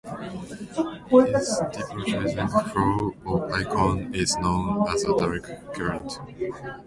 This depolarizing flow of ions is known as the dark current.